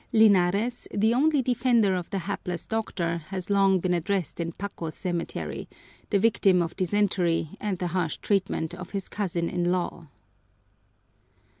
Linares, the only defender of the hapless doctor, has long been at rest in Paco cemetery, the victim of dysentery and the harsh treatment of his cousin in law.